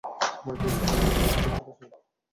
আমার প্রিয় ছাত্র, ধন্যবাদ তোমার পেরেশানির জন্য!